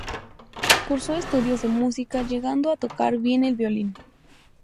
Cursó estudios de música llegando a tocar bien el violín.